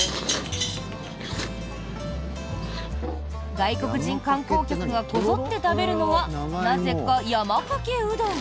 外国人観光客がこぞって食べるのはなぜか山かけうどん。